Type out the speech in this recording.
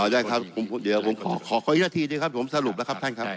ได้ครับเดี๋ยวผมขออีกนาทีหนึ่งครับผมสรุปแล้วครับท่านครับ